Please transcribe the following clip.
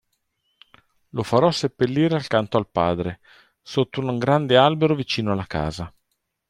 Lo farà seppellire accanto al padre, sotto un grande albero vicino alla casa.